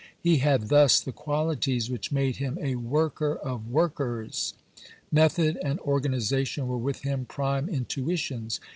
He had thus the qualities which made him a worker of workers. Method and organization were with him prime intuitions.